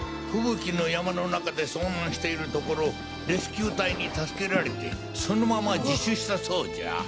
吹雪の山の中で遭難しているところをレスキュー隊に助けられてそのまま自首したそうじゃ。